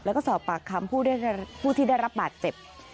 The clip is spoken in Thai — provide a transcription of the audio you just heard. แล้วก็สอบปากคำผู้ที่ได้รับบาดเจ็บ